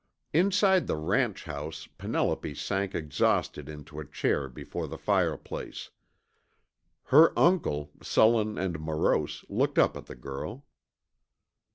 Inside the ranch house Penelope sank exhausted into a chair before the fireplace. Her uncle, sullen and morose, looked up at the girl.